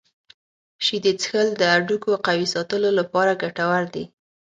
شیدې څښل د هډوکو قوي ساتلو لپاره ګټور دي.